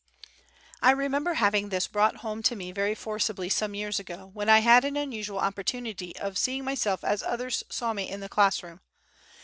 I remember having this brought home to me very forcibly, some years ago, when I had an unusual opportunity of seeing myself as others saw me in the class room.